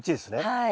はい。